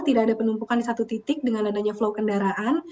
tidak ada penumpukan di satu titik dengan adanya flow kendaraan